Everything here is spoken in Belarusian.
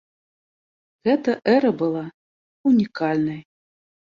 Гэта эра была ўнікальнай.